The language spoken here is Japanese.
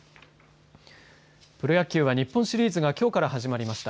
プロ野球は日本シリーズがきょうから始まりました。